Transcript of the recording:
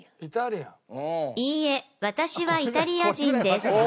「いいえ私はイタリア人です」